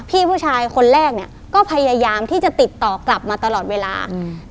พี่ผู้ชายคนแรกเนี้ยก็พยายามที่จะติดต่อกลับมาตลอดเวลาอืม